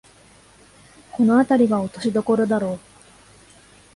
このあたりが落としどころだろう